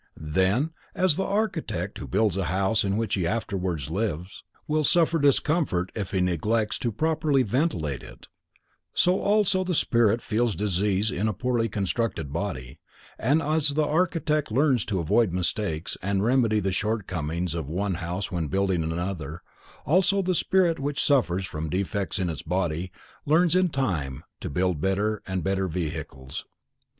Then, as the architect who builds a house in which he afterwards lives, will suffer discomfort if he neglects to properly ventilate it, so also the spirit feels disease in a poorly constructed body, and as the architect learns to avoid mistakes and remedy the short comings of one house when building another, so also the spirit which suffers from defects in its body, learns in time to build better and better vehicles.